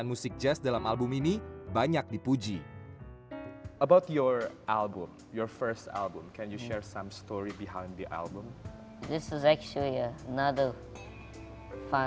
albummu adalah sukses yang besar bukan hanya di indonesia tapi juga di seluruh dunia